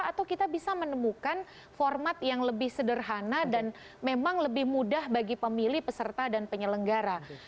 atau kita bisa menemukan format yang lebih sederhana dan memang lebih mudah bagi pemilih peserta dan penyelenggara